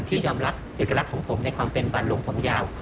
ที่ยอมรับเอกลักษณ์ของผมในความเป็นบานหลงผมยาว